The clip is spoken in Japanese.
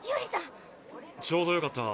ちょうどよかった。